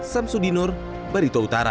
samsudinur barito utara